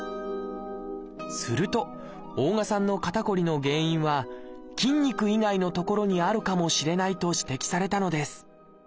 すると大我さんの肩こりの原因は筋肉以外の所にあるかもしれないと指摘されたのです